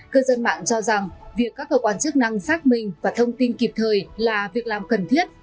cơ dân mạng cho rằng việc các cơ quan chức năng xác minh và thông tin kịp thời là việc làm cần thiết